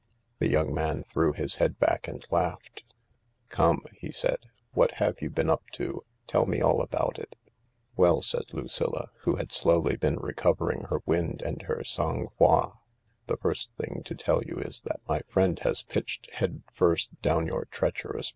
The young man threw his head back and laughed* "Come 1 " he said, "what have you been up to ? Tell me all about it;" "Well," said Lucilla, who had slowly been recovering her wind and her sang froid , "the first thing to tell you is that my friend has pitched head first down your treacherous